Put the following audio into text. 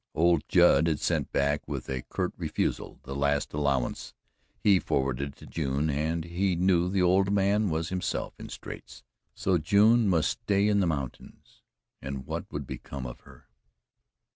Old Judd had sent back, with a curt refusal, the last "allowance" he forwarded to June and he knew the old man was himself in straits. So June must stay in the mountains, and what would become of her?